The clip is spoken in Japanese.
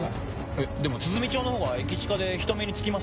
えっでも鼓町のほうが駅近で人目につきますけど。